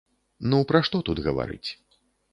Ну пра што тут гаварыць.